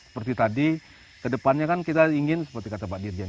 seperti tadi kedepannya kan kita ingin seperti kata pak dirjen